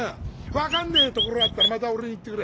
分かんねえところあったらまた俺に言ってくれ。